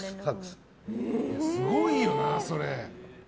すごいよな、それ。